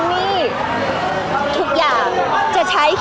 พี่ตอบได้แค่นี้จริงค่ะ